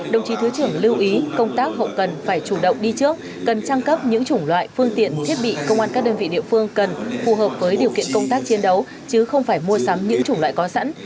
đồng chí thứ trưởng lưu ý công tác hậu cần phải chủ động đi trước cần trang cấp những chủng loại phương tiện thiết bị công an các đơn vị địa phương cần phù hợp với điều kiện công tác chiến đấu chứ không phải mua sắm những chủng loại có sẵn